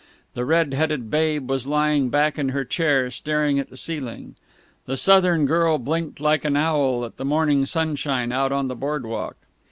The red headed Babe was lying back in her chair, staring at the ceiling. The Southern girl blinked like an owl at the morning sunshine out on the boardwalk.